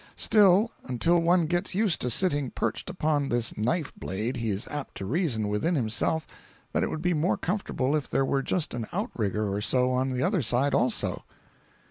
Still, until one gets used to sitting perched upon this knifeblade, he is apt to reason within himself that it would be more comfortable if there were just an outrigger or so on the other side also.